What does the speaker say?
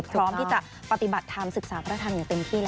พร้อมที่จะปฏิบัติธรรมศึกษาพระธรรมอย่างเต็มที่แล้ว